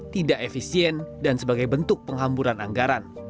tidak efisien dan sebagai bentuk penghamburan anggaran